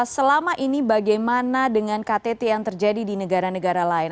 selama ini bagaimana dengan ktt yang terjadi di negara negara lain